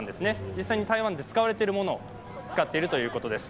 実際に台湾で使われているものを使っているということです。